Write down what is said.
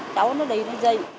cháu nó đấy nó dành